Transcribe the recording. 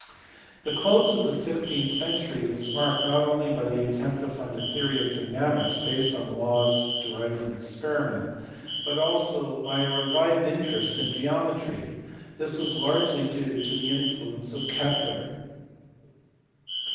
The close of the sixteenth century was marked not only by the attempt to found a theory of dynamics based on laws derived from experiment, but also by a revived interest in geometry. This was largely due to the influence of Kepler.